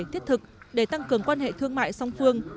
thiết thực để tăng cường quan hệ thương mại song phương